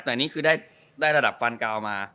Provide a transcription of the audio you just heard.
แต่อันนี้คือได้ระดับฟันกาวมา